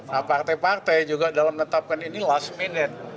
nah partai partai juga dalam menetapkan ini last minute